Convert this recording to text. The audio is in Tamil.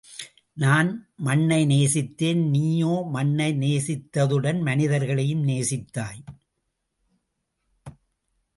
நான் மண்ணை நேசித்தேன் நீயோ, மண்ணை நேசித்ததுடன், மனிதர்களையும் நேசித்தாய்!